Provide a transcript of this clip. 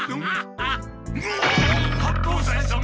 八方斎様！